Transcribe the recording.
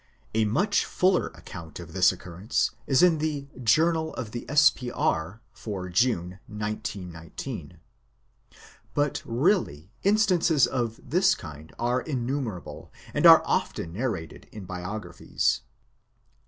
A much fuller account of this occurrence is in the Journal of the S.P.R. for June, 1919. But really instances of this kind are innumerable, and are often narrated in biographies.